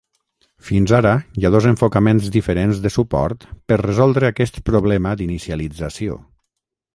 Fins ara, hi ha dos enfocaments diferents de suport per resoldre aquest problema d'inicialització.